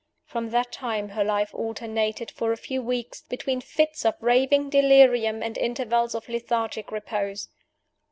From that time her life alternated, for a few weeks, between fits of raving delirium and intervals of lethargic repose.